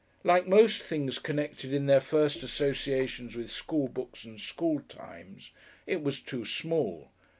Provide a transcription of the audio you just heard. Like most things connected in their first associations with school books and school times, it was too small.